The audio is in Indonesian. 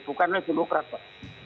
bukan hanya demokrat pak